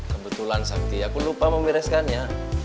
kebetulan sakti aku lupa memiraskannya